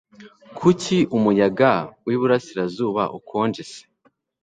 kuki umuyaga wiburasirazuba ukonje se